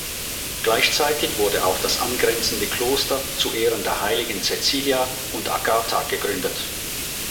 Gleichzeitig wurde auch das angrenzende Kloster zu Ehren der Heiligen Cäcilia und Agatha gegründet.